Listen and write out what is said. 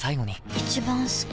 一番好き